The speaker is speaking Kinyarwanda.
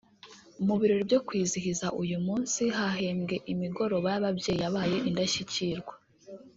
Mu birori byo kwizihiza uyu munsi hahembwe imigoroba y’ababyeyi yabaye indashyikirwa